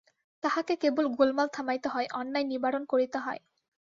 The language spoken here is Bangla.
তাহাকে কেবল গোলমাল থামাইতে হয়, অন্যায় নিবারণ করিতে হয়।